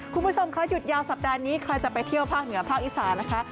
คุณผู้ชมค่ะหยุดยาวสัปดาห์นี้ใครจะไปเที่ยวภาคเหนือภาคอีสานนะคะ